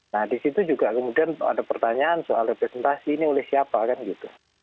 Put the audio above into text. nah disitu juga kemudian ada pertanyaan soal representasi ini oleh siapa kan gitu